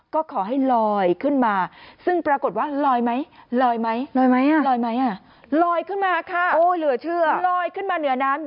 ก็ขอให้ลอยขึ้นมาซึ่งปรากฏว่าลอยไหมลอยขึ้นมาค่ะลอยขึ้นมาเหนือน้ำ